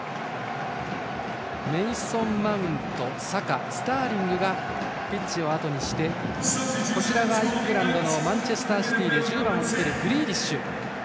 メイソン・マウント、サカスターリングがピッチをあとにしてイングランドのマンチェスターシティーで１０番を背負うグリーリッシュ。